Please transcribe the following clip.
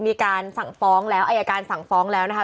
มีการสั่งฟ้องแล้วอายการสั่งฟ้องแล้วนะคะ